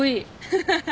ハハハ。